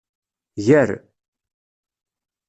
Ger.